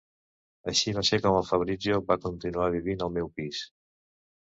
Així va ser com el Fabrizio va continuar vivint al meu pis.